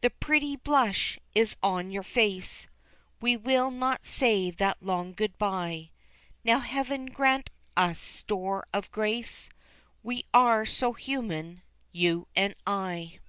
The pretty blush is on your face, We will not say that long good bye, Now heaven grant us store of grace, We are so human, you and I.